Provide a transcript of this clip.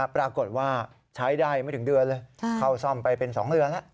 ปรากฏว่าใช้ได้ไม่ถึงเดือนเลยเข้าซ่อมไปเป็น๒เดือนแล้ว